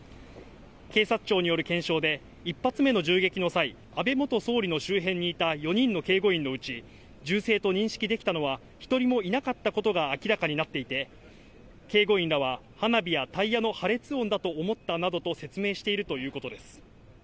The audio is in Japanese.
警察庁による検証で、１発目の銃撃の際、安倍元総理の周辺にいた４人の警護員のうち、銃声と認識できたのは１人もいなかったことが明らかになっていて、警護員らは、花火やタイヤの破裂音だと思ったなどと説明しているということです。